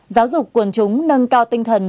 giáo dục quần chúng nâng cao tinh thần